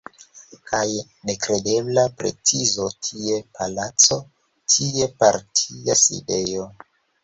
Kaj nekredebla precizo – tie palaco, tie partia sidejo.